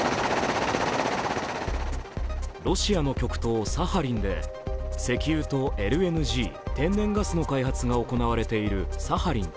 ロシアの極東サハリンで石油とＬＮＧ＝天然ガスの開発が行われているサハリン２。